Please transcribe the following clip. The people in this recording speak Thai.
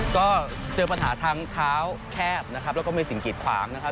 ก็เจอปัญหาทางเท้าแคบนะครับแล้วก็มีสิ่งกีดขวางนะครับ